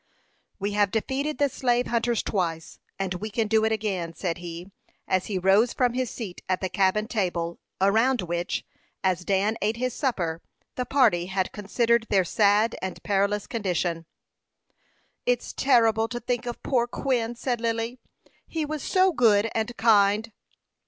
"We have defeated the slave hunters twice, and we can do it again," said he, as he rose from his seat at the cabin table, around which, as Dan ate his supper, the party had considered their sad and perilous condition. "It's terrible to think of poor Quin," said Lily. "He was so good and kind."